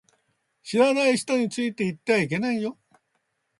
知らない人についていってはいけないよ